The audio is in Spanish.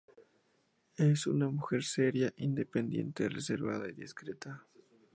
Es una mujer seria, independiente, reservada y discreta.